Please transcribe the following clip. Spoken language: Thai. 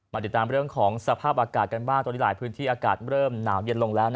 ติดตามเรื่องของสภาพอากาศกันบ้างตอนนี้หลายพื้นที่อากาศเริ่มหนาวเย็นลงแล้ว